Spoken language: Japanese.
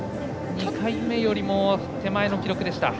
２回目よりも手前の記録でした。